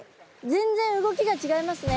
全然動きがちがいますね。